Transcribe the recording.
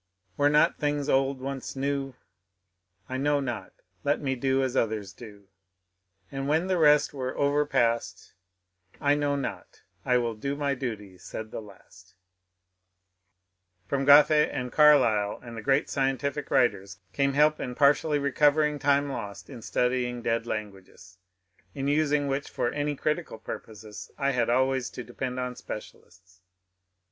Were not things old onoe new ?— I know not, let me do as others do. And when the rest were over past, I know not, I will do my duty, said the last From Goethe and Carlyle and the great scientific writers came help in partially recovering time lost in studying dead languages, — in using which for any critical purposes I had always to depend on specialists.